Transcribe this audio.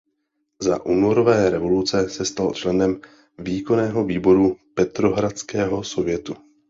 Za únorové revoluce se stal členem výkonného výboru Petrohradského sovětu.